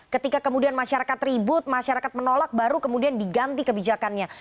ketika kemudian masyarakat ribut masyarakat menolak baru kemudian diganti kebijakannya